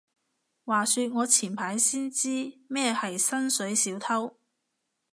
話說我前排先知咩係薪水小偷